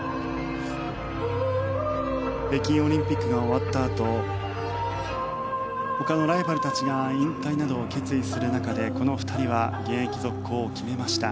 北京オリンピックが終わったあと他のライバルたちが引退などを決意する中でこの２人は現役続行を決めました。